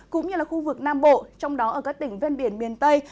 cũng như là khu vực nam bộ trong đó ở các tỉnh ven biển miền tây